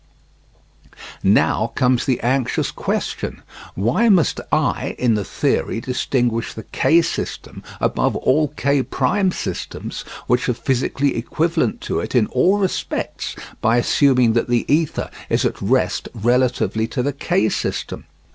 Now comes the anxious question: Why must I in the theory distinguish the K system above all K' systems, which are physically equivalent to it in all respects, by assuming that the ether is at rest relatively to the K system?